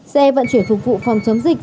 xe vận chuyển phục vụ phòng chống dịch